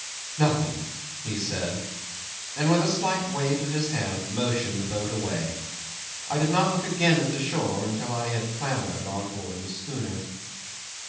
"No nothing," he said, and with a slight wave of his hand motioned the boat away. I did not look again at the shore till I had clambered on board the schooner.